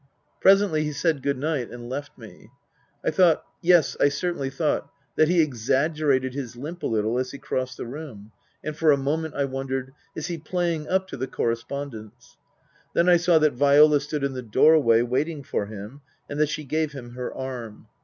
Presently he said good night and left me. I thought yes, I certainly thought that he exaggerated his limp a little as he crossed the room, and for a moment I wondered, " Is he playing up to the correspondents ?" Then I saw that Viola stood in the doorway waiting for him and that she gave him her arm.